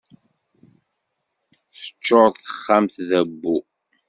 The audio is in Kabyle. Teččur texxamt d abbu.